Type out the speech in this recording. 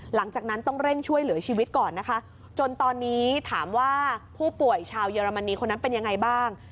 หลังจากนั้นต้องเร่งช่วยเหลือชีวิตก่อนนะคะจนตอนนี้ถามว่าผู้ป่วยชาวเยอรมนีคนนั้นเป็นยังไงบ้าง